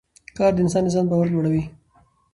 کار د انسان د ځان باور لوړوي